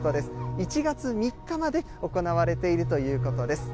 １月３日まで行われているということです。